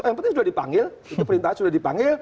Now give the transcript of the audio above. yang penting sudah dipanggil itu perintah sudah dipanggil